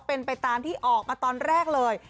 เป็นไปตามที่ออกมาตอนแรกเลย